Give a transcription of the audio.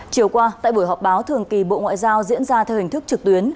chiều qua tại buổi họp báo thường kỳ bộ ngoại giao diễn ra theo hình thức trực tuyến